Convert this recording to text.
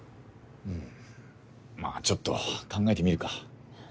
うんまぁちょっと考えてみるか。